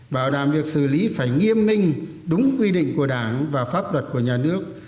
bảo đảm việc xử lý phải nghiêm minh đúng quy định của đảng và pháp luật của nhà nước